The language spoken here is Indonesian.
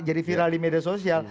jadi virali media sosial